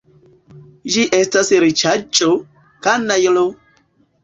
Ĝi estas riĉaĵo, kanajlo!